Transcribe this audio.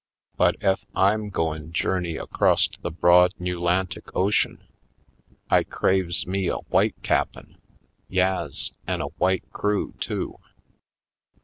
But ef I'm goin' jour ney acros't the broad Newlantic Ocean I craves me a w'ite cap'n — ^yas, an' a w'ite crew, too."